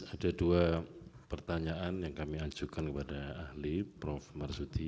ada dua pertanyaan yang kami ajukan kepada ahli prof marsudi